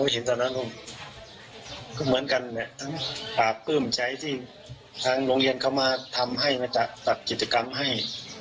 เหมือนกันเนี่ยการปื้มใช้ที่ทางโรงเรียนเขาทำให้ตัดกิจกรรมให้